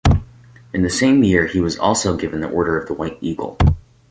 In the same year he was also given the Order of the White Eagle.